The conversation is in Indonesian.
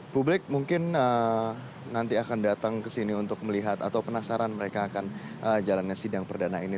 publik mungkin nanti akan datang ke sini untuk melihat atau penasaran mereka akan jalannya sidang perdana ini